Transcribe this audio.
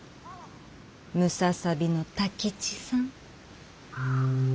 ムササビの太吉さん。